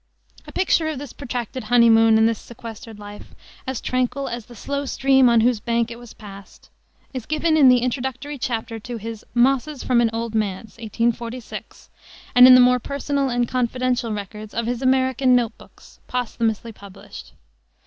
A picture of this protracted honeymoon and this sequestered life, as tranquil as the slow stream on whose banks it was passed, is given in the introductory chapter to his Mosses from an Old Manse, 1846, and in the more personal and confidential records of his American Note Books, posthumously published.